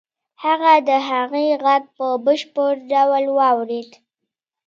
هغه د هغې غږ په بشپړ ډول واورېد.